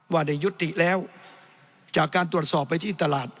ว่าได้ยุติแล้วจากการตรวจสอบไปที่ตลาด